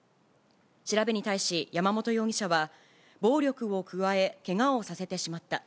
調べに対し、山本容疑者は暴力を加え、けがをさせてしまった。